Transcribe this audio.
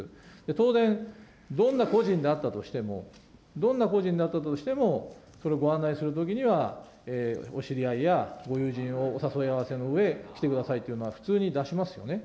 当然、どんな個人であったとしても、どんな個人だったとしても、それをご案内するときにはお知り合いや、ご友人をお誘いあわせのうえ、来てくださいという、普通に出しますよね。